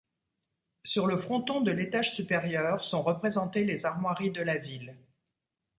Sur le fronton de l'étage supérieur, sont représentées les armoiries de la ville.